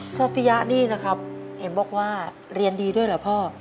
ซาฟิยะนี่นะครับเห็นบอกว่าเรียนดีด้วยเหรอพ่อ